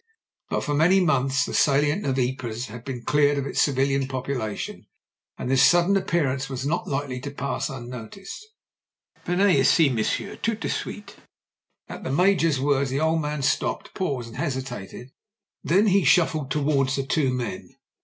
But for many months the salient of Ypres had been cleared of its civilian population; and this sudden appearance was not likely to pass unnoticed. "Venez, ici, monsieur, tout de suite." At the Ma jor's words the old man stopped, and paused in hesi tation; then he shufiled towards the two men.